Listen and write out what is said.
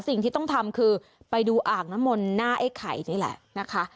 สิ่งที่ต้องทำคือไปดูอ่างน้ำมนต์หน้าไอ้ไข่นี่แหละนะคะ